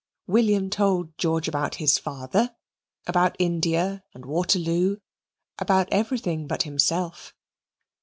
William told George about his father, about India and Waterloo, about everything but himself.